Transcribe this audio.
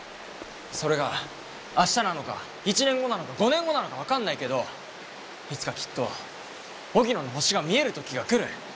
それが明日なのか１年後なのか５年後なのか分かんないけどいつかきっと荻野の星が見える時が来る。